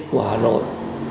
của hà nội